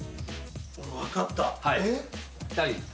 分かった。